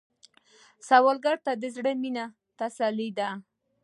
سوالګر ته د زړه مينه تسلي ده